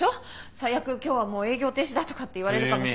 最悪今日はもう営業停止だとかって言われるかも。